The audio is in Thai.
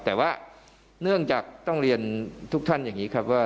แต่ว่าเนื่องจากต้องเรียนทุกท่านอย่างนี้ครับว่า